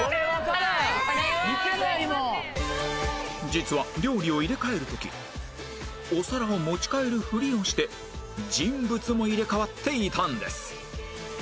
実は料理を入れ替える時お皿を持ち替えるフリをして人物も入れ替わっていたんです